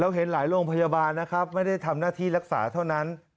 เห็นหลายโรงพยาบาลนะครับไม่ได้ทำหน้าที่รักษาเท่านั้น